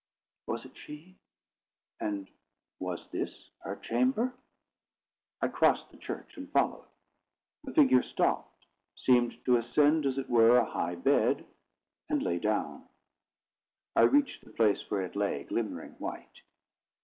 Was it she? and was this her chamber? I crossed the church, and followed. The figure stopped, seemed to ascend as it were a high bed, and lay down. I reached the place where it lay, glimmering white.